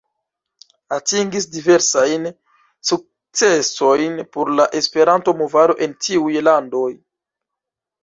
Atingis diversajn sukcesojn por la Esperanto-movado en tiuj landoj.